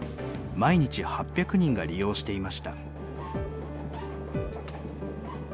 毎日８００人が利用していました。